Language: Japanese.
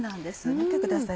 見てください